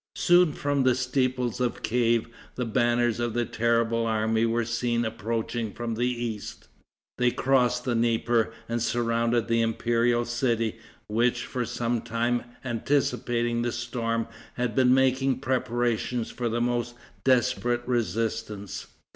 Soon from the steeples of Kief the banners of the terrible army were seen approaching from the east. They crossed the Dnieper and surrounded the imperial city, which, for some time anticipating the storm, had been making preparation for the most desperate resistance.